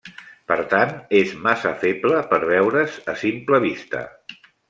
Per tant, és massa feble per veure's a simple vista.